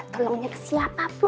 tolongnya kesilapan bu